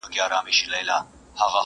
لمر یې په نصیب نه دی جانانه مه راځه ورته!